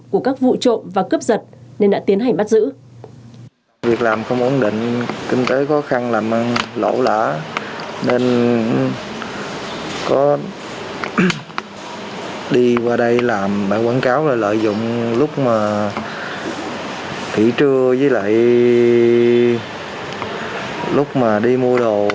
của các vụ trộm và cướp giả tài sản nên đã tiến hành bắt giữ